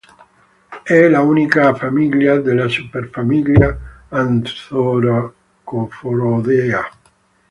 È l'unica famiglia della superfamiglia Athoracophoroidea.